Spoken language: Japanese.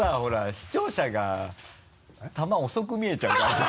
視聴者が球遅く見えちゃうからさ